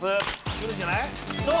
くるんじゃない？